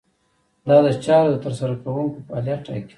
دا د چارو د ترسره کوونکو فعالیت ټاکي.